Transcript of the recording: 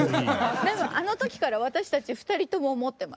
でもあの時から私たち２人とも思ってます。